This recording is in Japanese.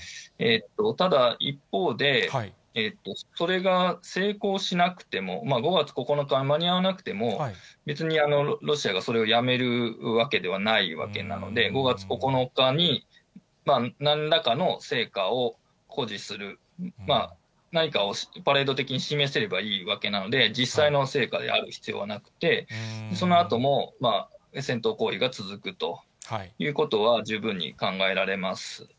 ただ、一方で、それが成功しなくても、５月９日、間に合わなくても、別にロシアがそれをやめるわけではないわけなので、５月９日に、なんらかの成果を誇示する、何かをパレード的に示せればいいわけなので、実際の成果である必要はなくて、そのあとも戦闘行為が続くということは、十分に考えられます。